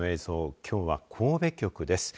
きょうは神戸局です。